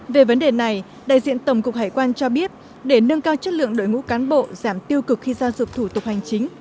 về vấn đề này đại diện tổng cục hải quan cho biết để nâng cao chất lượng đội ngũ cán bộ giảm tiêu cực khi ra dụp thủ tục hành chính